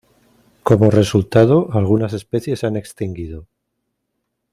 Como resultado, algunas especies se han extinguido.